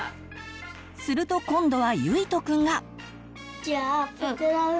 すると今度はゆいとくんが。